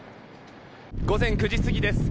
午前９時過ぎです。